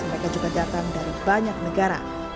mereka juga datang untuk menikmati pernikahan